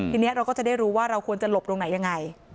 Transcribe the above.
ทีนี้เราก็จะได้รู้ว่าเราควรจะหลบตรงไหนยังไง